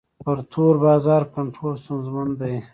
پر تور بازار کنټرول ستونزمن دی.